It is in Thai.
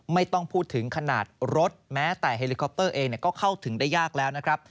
ไม่ต้องพูดถึงขนาดรถแม้แต่เฮลิคอปเตอร์เองก็เข้าถึงได้ยากแล้วนะครับ